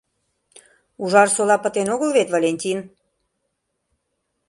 Ужарсола пытен огыл вет, Валентин?